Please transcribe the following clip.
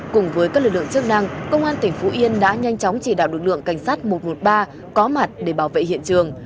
cùng với các lực lượng chức năng công an tỉnh phú yên đã nhanh chóng chỉ đạo lực lượng cảnh sát một trăm một mươi ba có mặt để bảo vệ hiện trường